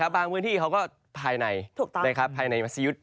บางพื้นที่เขาก็ภายในพาสยุทธ์